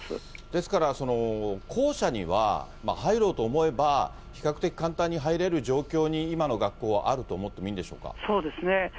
ですから、校舎には入ろうと思えば、比較的簡単に入れる状況に今の学校はあると思ってもいいんでしょそうですね。